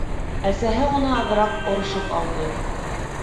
Әсәһе уны аҙыраҡ орошоп алды: